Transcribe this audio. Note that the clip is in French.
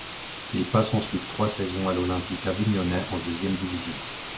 Il passe ensuite trois saisons à l'Olympique avignonnais, en deuxième division.